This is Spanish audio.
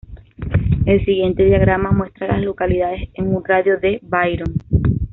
El siguiente diagrama muestra a las localidades en un radio de de Byron.